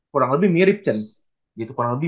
kurang lebih mirip cenz